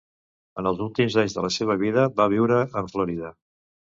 En els últims anys de la seva vida va viure en Florida.